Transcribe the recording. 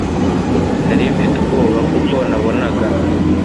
nari mfite ubwoba kuko nabonaga